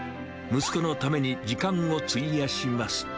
息子のために時間を費やします。